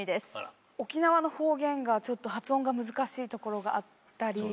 沖縄の方言がちょっと発音が難しいところがあったり。